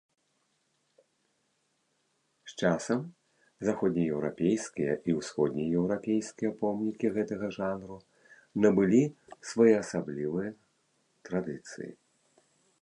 З часам, заходнееўрапейскія і ўсходнееўрапейскія помнікі гэтага жанру набылі своеасаблівыя традыцыі.